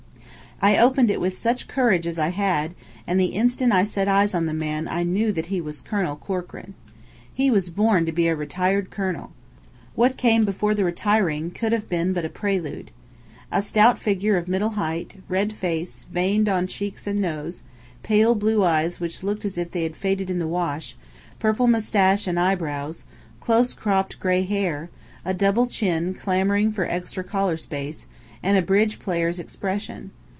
I opened it with such courage as I had; and the instant I set eyes on the man I knew that he was Colonel Corkran. He was born to be a retired colonel. What came before the retiring could have been but a prelude. A stout figure of middle height; red face, veined on cheeks and nose; pale blue eyes which looked as if they had faded in the wash; purple moustache and eyebrows; close cropped gray hair; a double chin clamouring for extra collar space; and a bridge player's expression.